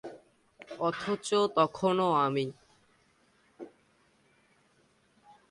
অথচো তখনো আমি................